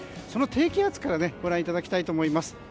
その低気圧からご覧いただきたいと思います。